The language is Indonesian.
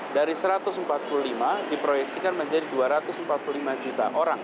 dari satu ratus empat puluh lima diproyeksikan menjadi dua ratus empat puluh lima juta orang